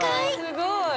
すごい！